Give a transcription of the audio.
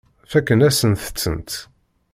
Fakken-asent-tent.